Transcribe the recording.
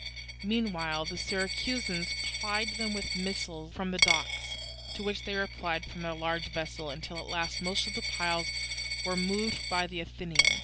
Meanwhile the Syracusans plied them with missiles from the docks, to which they replied from their large vessel; until at last most of the piles were removed by the Athenians.